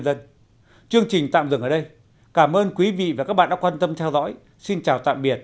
dân chương trình tạm dừng ở đây cảm ơn quý vị và các bạn đã quan tâm theo dõi xin chào tạm biệt